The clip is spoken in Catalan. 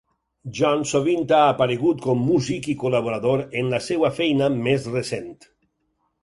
John sovint ha aparegut com músic i col·laborador en la seva feina més recent.